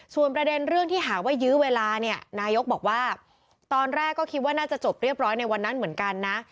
ส่วนประเด็นเรื่องที่หาว่ายื้อเวลาเนี่ยนายกบอกว่าตอนแรกก็คิดว่าน่าจะจบเรียบร้อยในวันนั้นเหมือนกันนะ